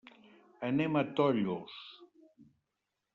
Anem a Tollos.